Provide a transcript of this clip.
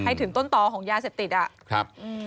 ให้ถึงต้นต่อของยาเสพติดอะ